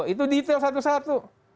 itu detail satu satu